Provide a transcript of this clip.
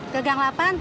ke gang lapan